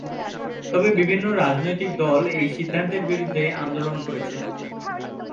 তবে বিভিন্ন রাজনৈতিক দল এই সিদ্ধান্তের বিরুদ্ধে আন্দোলন করেছে।